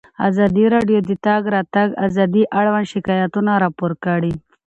ازادي راډیو د د تګ راتګ ازادي اړوند شکایتونه راپور کړي.